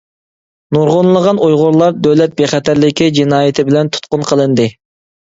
نۇرغۇنلىغان ئۇيغۇرلار «دۆلەت بىخەتەرلىكى» جىنايىتى بىلەن تۇتقۇن قىلىندى.